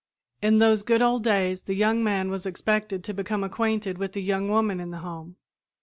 In those good old days the young man was expected to become acquainted with the young woman in the home.